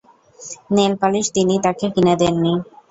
Nail polish তিনি তাকে কিনে দেন নি।